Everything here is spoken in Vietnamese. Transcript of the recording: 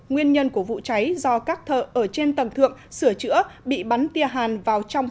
nguyên nhân của vụ cháy do các thợ ở trên tầng thượng sửa chữa bị bắn tia hàn vào trong